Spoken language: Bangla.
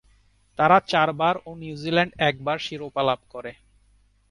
তারা চারবার ও নিউজিল্যান্ড একবার শিরোপা লাভ করে।